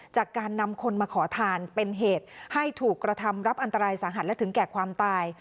จากการนำคนมาขอทานเป็นเหตุให้ถูกกระทำรับอันตรายสาหัสและถึงแก่ความตาย